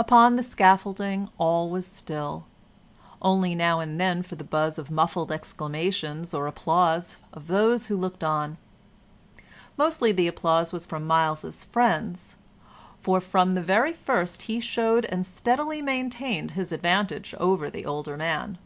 Upon the scaffolding all was still, only now and then for the buzz of muffled exclamations or applause of those who looked on. Mostly the applause was from Myles's friends, for from the very first he showed and steadily maintained his advantage over the older man.